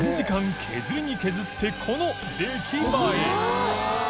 ⑷削りに削ってこの出来栄え